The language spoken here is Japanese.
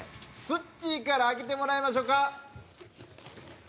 つっちーから開けてもらいましょうか。